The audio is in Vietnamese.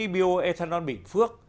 bioethanol bỉnh phước